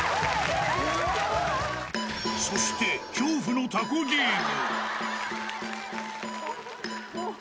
そして、恐怖のタコゲーム。